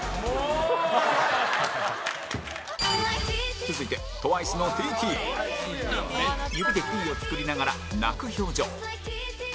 続いてＴＷＩＣＥの『ＴＴ』指で「Ｔ」を作りながら泣く表情